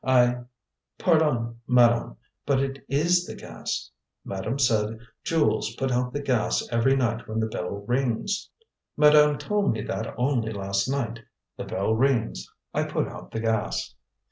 I " "Pardon, madame; but it is the gas. Madame said, 'Jules, put out the gas every night when the bell rings.' Madame told me that only last night. The bell rings: I put out the gas."